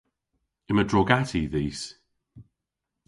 Yma drog-atti dhis.